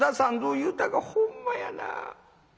言うたがほんまやなあ。